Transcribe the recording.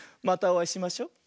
またおあいしましょ。